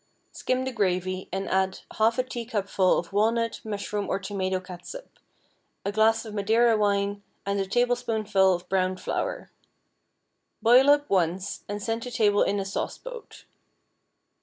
Skim the gravy, and add half a teacupful of walnut, mushroom or tomato catsup, a glass of Madeira wine, and a tablespoonful of browned flour. Boil up once, and send to table in a sauce boat.